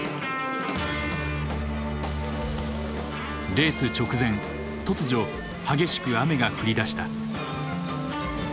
レース直前突如激しく雨が降りだした。